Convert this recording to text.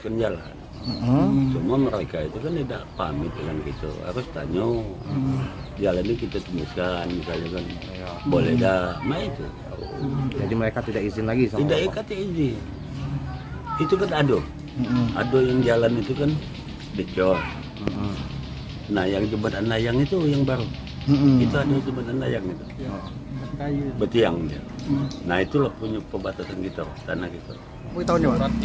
nah itulah punya pembatasan gitu loh tanah gitu